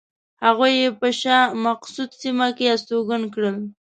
هغوی یې په شاه مقصود سیمه کې استوګن کړل.